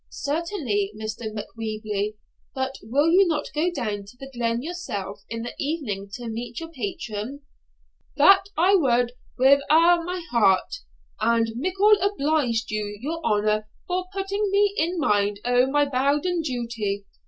'Certainly, Mr. Macwheeble; but will you not go down to the glen yourself in the evening to meet your patron?' 'That I wad wi' a' my heart; and mickle obliged to your honour for putting me in mind o' mybounden duty.